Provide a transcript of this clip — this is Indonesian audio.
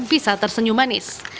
bisa tersenyum manis